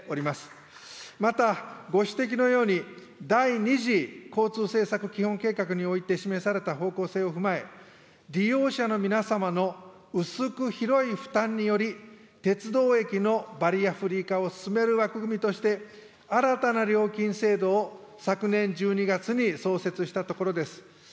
また、ご指摘のように、第２次交通政策基本計画において示された方向性を踏まえ、利用者の皆様の薄く広い負担により、鉄道駅のバリアフリー化を進める枠組みとして、新たな料金制度を昨年１２月に創設したところです。